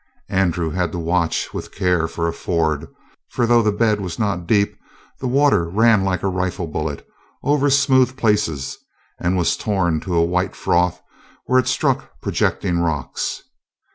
Andrew had to watch with care for a ford, for though the bed was not deep the water ran like a rifle bullet over smooth places and was torn to a white froth when it struck projecting rocks.